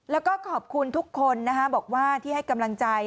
แล้วก็ขอบคุณทุกคนบอกว่าที่ให้กำลังใจ